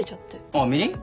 あっみりん？